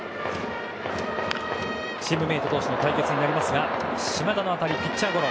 チームメート同士の対決になりますが島田の当たりはピッチャーゴロ。